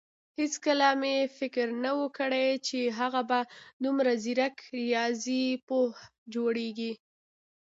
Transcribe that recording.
هيڅکله مې فکر نه وو کړی چې هغه به دومره ځيرک رياضيپوه جوړېږي.